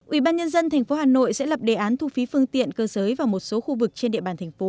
ubnd tp hà nội sẽ lập đề án thu phí phương tiện cơ giới vào một số khu vực trên địa bàn thành phố